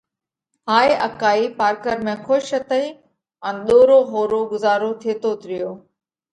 هائي اڪائِي پارڪر ۾ کُش هتئي ان ۮورو ۿورو ڳُزارو ٿيتوت ريو۔